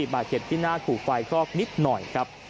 บาดเจ็บที่หน้าถูกไฟคลอกนิดหน่อยครับ